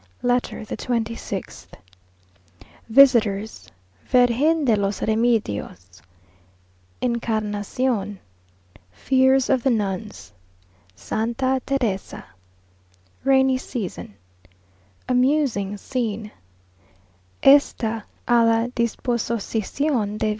LETTER THE TWENTY SIXTH Visitors Virgen de los Remedios Encarnación Fears of the Nuns Santa Teresa Rainy Season Amusing Scene "_Esta a la Disposocicion de V.